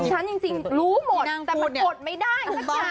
ฉันจริงรู้หมดแต่มันอดไม่ได้สักอย่าง